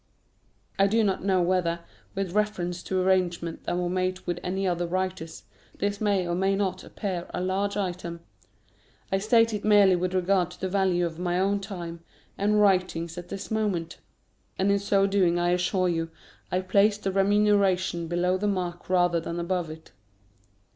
I do not know whether, with reference to arrangements that were made with any other writers, this may or may not appear a large item. I state it merely with regard to the value of my own time and writings at this moment; and in so doing I assure you I place the remuneration below the mark rather than above it.